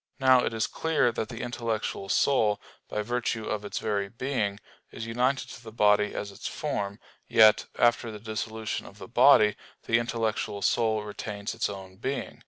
Now it is clear that the intellectual soul, by virtue of its very being, is united to the body as its form; yet, after the dissolution of the body, the intellectual soul retains its own being.